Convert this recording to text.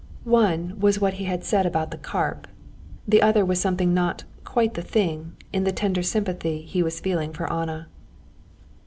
One was what he had said about the carp, the other was something not "quite the thing" in the tender sympathy he was feeling for Anna.